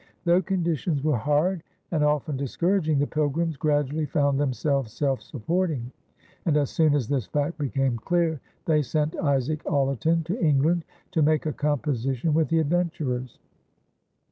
Though conditions were hard and often discouraging, the Pilgrims gradually found themselves self supporting and as soon as this fact became clear, they sent Isaac Allerton to England "to make a composition with the adventurers."